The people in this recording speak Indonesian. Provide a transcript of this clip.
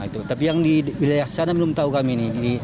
tapi yang di wilayah sana belum tahu kami ini